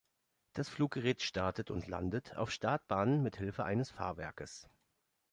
Das Fluggerät startet und landet auf Startbahnen mit Hilfe eines Fahrwerkes.